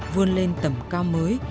vươn lên tầm cao mới